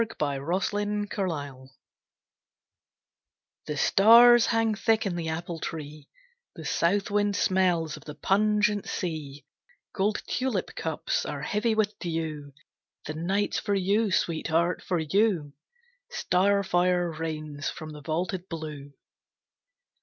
Hora Stellatrix The stars hang thick in the apple tree, The south wind smells of the pungent sea, Gold tulip cups are heavy with dew. The night's for you, Sweetheart, for you! Starfire rains from the vaulted blue.